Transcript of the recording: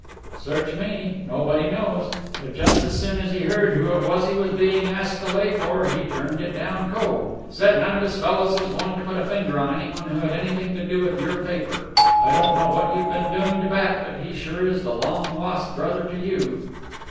"Search me. Nobody knows. But just as soon as he heard who it was he was being asked to lay for, he turned it down cold. Said none of his fellows was going to put a finger on anyone who had anything to do with your paper. I don't know what you've been doing to Bat, but he sure is the long lost brother to you."